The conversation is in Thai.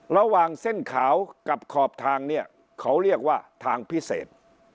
ระหว่างเส้นขาวกับขอบทางเนี่ยเขาเรียกว่าทางพิเศษ